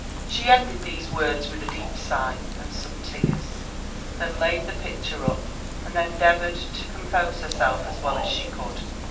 She ended these words with a deep sigh, and some tears; then laid the picture up, and endeavoured to compose herself as well as she could.